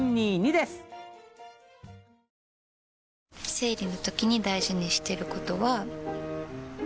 生理のときに大事にしてることは。